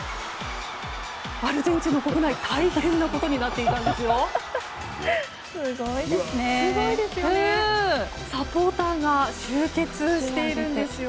アルゼンチンの国内大変なことになっていたんですよ。